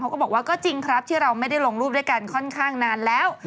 ก็บอกว่าก็จริงครับที่เราไม่ได้ลงรูปด้วยกันค่อนข้างนานแล้ว